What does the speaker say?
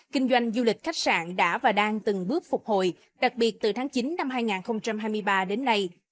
kinh doanh du lịch khách sạn đã và đang từng bước phục hồi đặc biệt từ tháng chín năm hai nghìn hai mươi ba đến nay